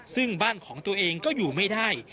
ซึ่งบ้านของตัวเองก็อยู่ไม่ได้